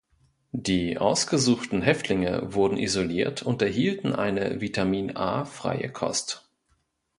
Die ausgesuchten Häftlinge wurden isoliert und erhielten eine Vitamin-A-freie Kost.